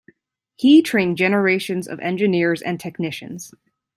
He trained generations of engineers and technicians.